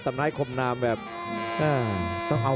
พยายามจะไถ่หน้านี่ครับการต้องเตือนเลยครับ